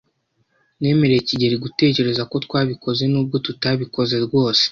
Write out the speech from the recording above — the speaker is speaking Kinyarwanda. Nemereye kigeli gutekereza ko twabikoze nubwo tutabikoze rwose.